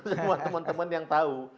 semua temen temen yang tahu